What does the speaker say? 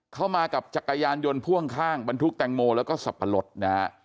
เข้ามากับจักรยานยนต์พ่วงข้างบรรทุกแตงโมแล้วก็สับปะรดนะฮะ